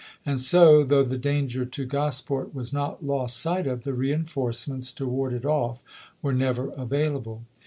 And so, though the danger to Gosport was not lost sight of, the reenforcements to ward it off were never available.